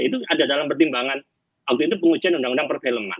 itu ada dalam pertimbangan waktu itu pengujian undang undang perfilman